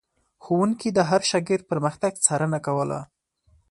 ښوونکي د هر شاګرد پرمختګ څارنه کوله.